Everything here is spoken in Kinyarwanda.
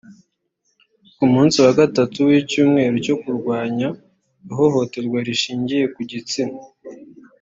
ku munsi wa gatatu w’icyumweru cyo gurwanya ihohoterwa rishingiye ku gitsina